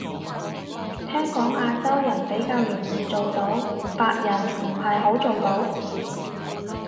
聽講亞洲人比較容易做到，白人唔係好做到